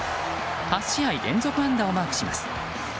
８試合連続安打をマークします。